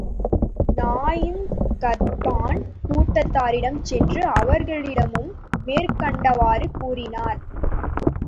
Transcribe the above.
Naeem Ghatafan கூட்டத்தாரிடம் சென்று அவர்களிடமும் மேற்கண்டவாறு கூறினார்.